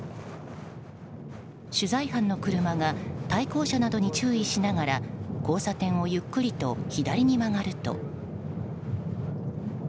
取材班の車が対向車などに注意しながら交差点をゆっくりと左に曲がると。